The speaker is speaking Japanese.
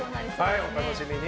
お楽しみに！